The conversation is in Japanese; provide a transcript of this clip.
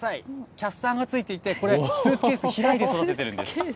キャスターがついていて、スーツケース開いて育ててるんです。